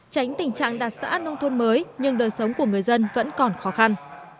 tránh tình trạng đạt xã nông thôn mới nhưng đời sống của người dân vẫn còn khó khăn